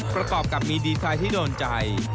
ประกอบกับมีดีไซน์ที่โดนใจ